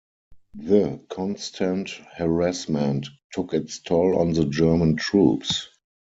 The constant harassment took its toll on the German troops.